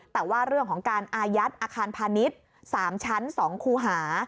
แต่ว่าเรื่องของการอายัดอาคารพาณิชย์๓ชั้น๒คูหา